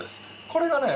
これがね